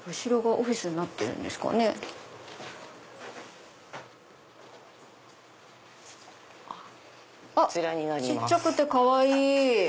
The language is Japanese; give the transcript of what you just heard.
小っちゃくてかわいい！